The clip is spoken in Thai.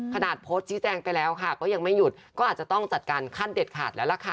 โพสต์ชี้แจงไปแล้วค่ะก็ยังไม่หยุดก็อาจจะต้องจัดการขั้นเด็ดขาดแล้วล่ะค่ะ